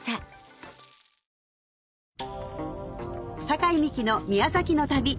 酒井美紀の宮崎の旅